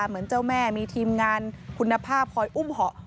เหมือนเจ้าแม่มีทีมงานคุณภาพคอยอุ้มเหาะ